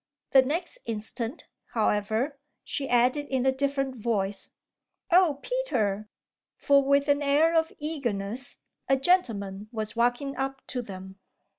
The next instant, however, she added in a different voice, "Oh Peter!" for, with an air of eagerness, a gentleman was walking up to them.